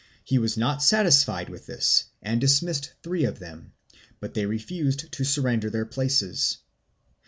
He was not satisfied with this and dismissed three of them, but they refused to surrender their places.